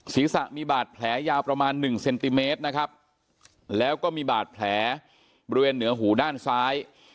ศีรษะมีบาดแผลยาวประมาณหนึ่งเซนติเมตรนะครับแล้วก็มีบาดแผลบริเวณเหนือหูด้านซ้าย